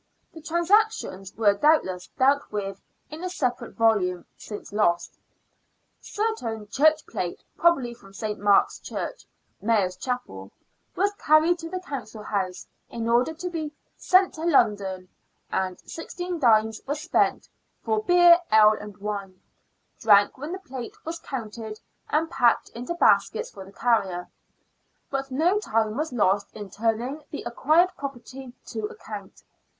The transactions were doubtless dealt with in a separate volume, since lost. Certain " church plate," probably from St. Mark's Church (Mayor's Chapel) was carried to the Council House, in order to be " sent to London," and i6d. was spent " for beer, ale and wine," drank when the plate was counted and packed into baskets for the carrier. But no time was lost in turning the acquired property to account.